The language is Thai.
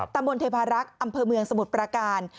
ตำบลเทพารักษ์อำเภอเมืองสมุทรประการ